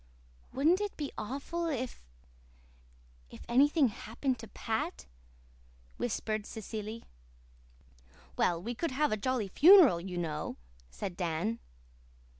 "Wouldn't it be awful if if anything happened to Pat?" whispered Cecily. "Well, we could have a jolly funeral, you know," said Dan.